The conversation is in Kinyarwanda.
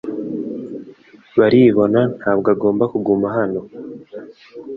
Baribona ntabwo agomba kuguma hano .